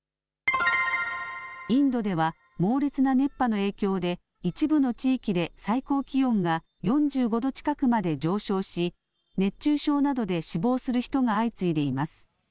インドでは猛烈な熱波の影響で一部の地域で最高気温が４５度近くまで上昇し熱中症などで死亡する人が相次いでいます。